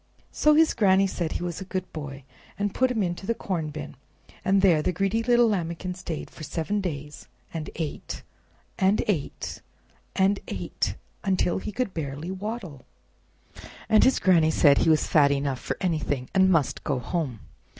So his Granny said he was a good boy, and put him into the corn bin, and there the greedy little Lambikin stayed for seven days, and ate, and ate, and ate, until he could scarcely waddle, and his Granny said he was fat enough for anything, and must go home.